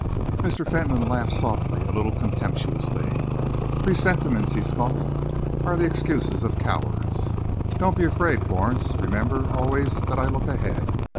Mr. Fentolin laughed softly, a little contemptuously. "Presentiments," he scoffed, "are the excuses of cowards. Don't be afraid, Florence. Remember always that I look ahead.